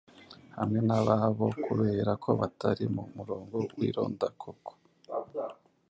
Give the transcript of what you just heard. hamwe n'ababo kubera ko batari mu murongo w'irondakoko.